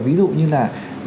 ví dụ như là